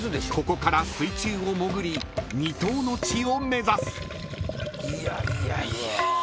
［ここから水中を潜り未踏の地を目指す］